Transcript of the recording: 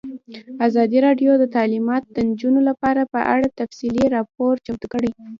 ازادي راډیو د تعلیمات د نجونو لپاره په اړه تفصیلي راپور چمتو کړی.